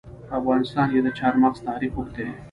په افغانستان کې د چار مغز تاریخ اوږد دی.